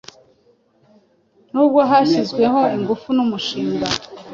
Nubwo hashyizweho ingufu numushinga